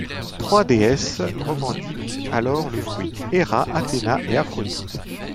Trois déesses revendiquent alors le fruit, Héra, Athéna et Aphrodite.